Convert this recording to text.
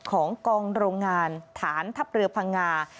ของกองโรงงานฐานทัพเรือพังงา